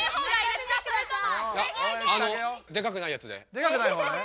デカくないほうがね。